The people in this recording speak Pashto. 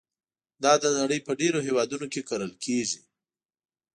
دا د نړۍ په ډېرو هېوادونو کې کرل کېږي.